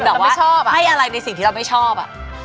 แบบว่าชอบให้อะไรในสิ่งที่เราไม่ชอบ